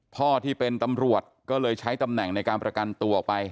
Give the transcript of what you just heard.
ที่เป็นตำรวจก็เลยใช้ตำแหน่งในการประกันตัวออกไป